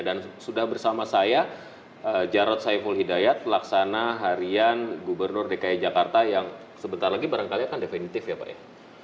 dan sudah bersama saya jarod saiful hidayat laksana harian gubernur dki jakarta yang sebentar lagi barangkali akan definitif ya pak